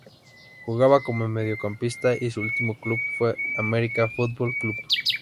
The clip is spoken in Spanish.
Jugaba como Mediocampista y su último club fue America Football Club.